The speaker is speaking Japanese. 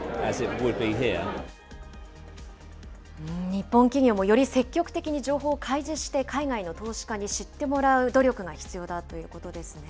日本企業もより積極的に情報を開示して、海外の投資家に知ってもらう努力が必要だということですね。